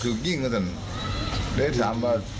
อืม